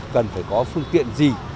cần phải có phương tiện gì